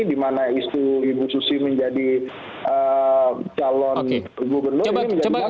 di mana istri ibu susi menjadi calon gubernur